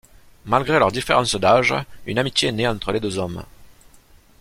Malgré leur différence d'âge, une amitié naît entre les deux hommes.